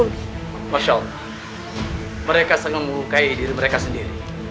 mereka sengaja mengukai diri mereka sendiri